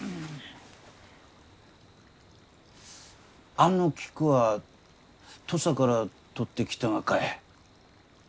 あの菊は土佐から採ってきたがかえ？